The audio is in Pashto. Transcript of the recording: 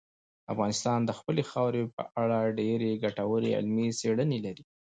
افغانستان د خپلې خاورې په اړه ډېرې ګټورې علمي څېړنې لري.